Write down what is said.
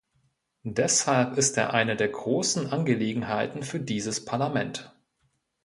Deshalb ist er eine der großen Angelegenheiten für dieses Parlament.